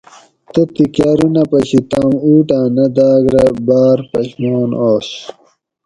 تتھیں کاۤرونہ پشی توم اُوٹاۤں نہ داۤگ رہ باۤر پشمان آش